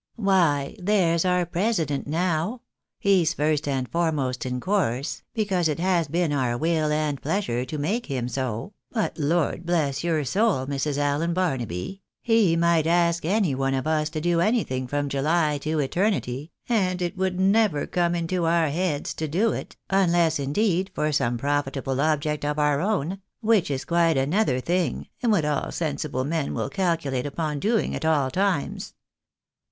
Why, there's our president, now, he's first and foremost in course, because it has been our will and pleasure to make him so ; but, Lord bless your soul, Mrs. Allen Barnaby, he might ask any one of us to do anything from July to eternity, and it would never come into our heads to do it unless indeed for some profitable object of our own, which is quite ano ther thing, and what all sensible men will calculate upon doing' at aU times.